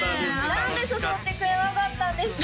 何で誘ってくれなかったんですか？